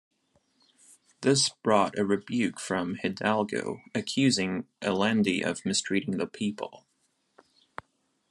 This brought a rebuke from Hidalgo, accusing Allende of mistreating the people.